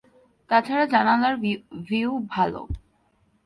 তা ছাড়া জানালার ভিউ ভাল।